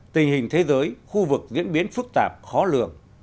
tình hình thế giới khu vực diễn biến phức tạp khó lường